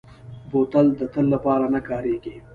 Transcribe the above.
بوتل د تل لپاره نه کارېږي، یو وخت خرابېږي.